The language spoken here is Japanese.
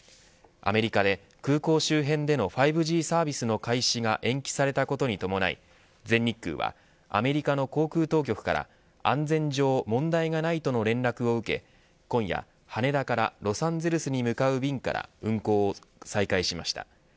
アメリカで空港周辺での５Ｇサービスの開始が延期されたことに伴い全日空はアメリカの航空当局から安全上問題がないとの連絡を受け今夜、羽田からロサンゼルスに向かう便から運航を再開しました。